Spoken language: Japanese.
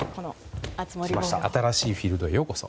新しいフィールドへようこそ。